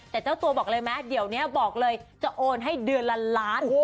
แต่เจ้าตัวบอกเลยไหมเดี๋ยวนี้บอกเลยจะโอนให้เดือนละล้าน